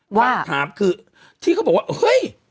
คำถามคือที่เขาบอกว่าเฮ้ย